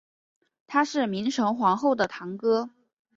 他是明成皇后的堂哥。